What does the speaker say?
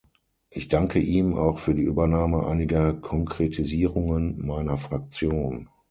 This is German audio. Ich danke ihm auch für die Übernahme einiger Konkretisierungen meiner Fraktion.